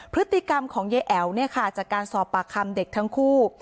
พฤติกรรมของยายแอ๋วเนี่ยค่ะจากการสอบปากคำเด็กทั้งคู่